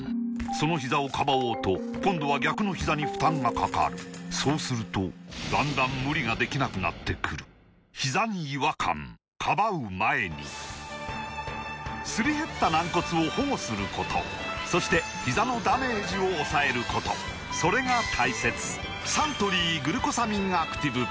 そのひざをかばおうと今度は逆のひざに負担がかかるそうするとだんだん無理ができなくなってくるすり減った軟骨を保護することそしてひざのダメージを抑えることそれが大切サントリー「グルコサミンアクティブ」